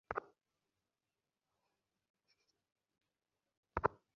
তারপর এটা সামনে আসলো।